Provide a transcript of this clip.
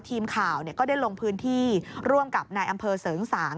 ทีมข่าวก็ได้ลงพื้นที่ร่วมกับนายอำเภอเสริงสาง